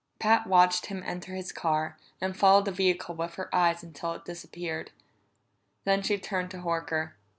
Pat watched him enter his car, and followed the vehicle with her eyes until it disappeared. Then she turned to Horker.